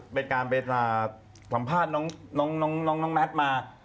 พัมภาษาน้องแมทมา